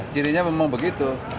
cininya memang begitu